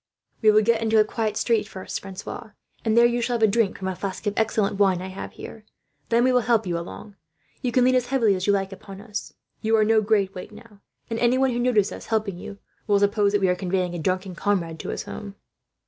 "We will get into a quiet street first, Francois, and there you shall have a drink, from a flask of excellent wine I have here. Then we will help you along. You can lean as heavily as you like upon us. You are no great weight, now; and anyone who notices us helping you will suppose that we are conveying a drunken comrade to his home."